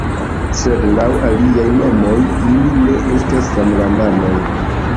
Sed laŭ iliaj nomoj ili ne estas samlandanoj!